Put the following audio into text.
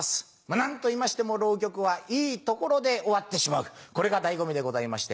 何といいましても浪曲はいいところで終わってしまうこれが醍醐味でございまして。